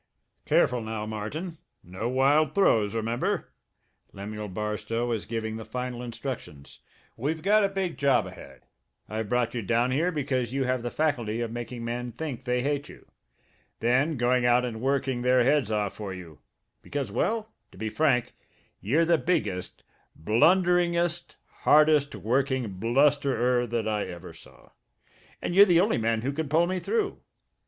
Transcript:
"Careful now, Martin! No wild throws, remember!" Lemuel Barstow was giving the final instructions. "We've got a big job ahead. I've brought you down here because you have the faculty of making men think they hate you then going out and working their heads off for you, because well, to be frank, you're the biggest, blunderingest, hardest working blusterer that I ever saw and you're the only man who can pull me through.